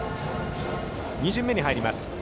２巡目に入ります。